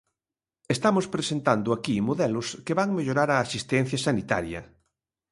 Estamos presentando aquí modelos que van mellorar a asistencia sanitaria.